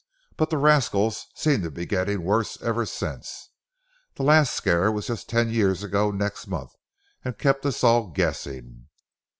But the rascals seem to be getting worse ever since. The last scare was just ten years ago next month, and kept us all guessing.